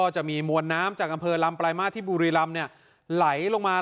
จะมีมวลน้ำจากะำเภอลัมปรายมาลที่บุรีลำ